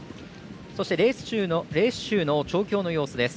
そしてレース中の調教の様子です。